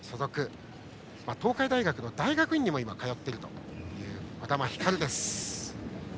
今、東海大学の大学院にも通っているという児玉ひかるです。